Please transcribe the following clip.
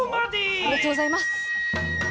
ありがとうございます。